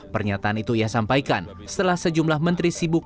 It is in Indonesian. pernyataan itu ia sampaikan setelah sejumlah menteri sibuk